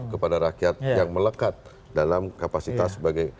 kepada rakyat yang melekat dalam kapasitas sebagai